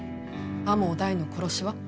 天羽大の殺しは？